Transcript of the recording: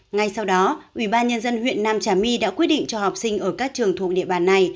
ngay sau đó ubnd huyện nam trà my đã quyết định cho học sinh ở các trường thuộc địa bàn này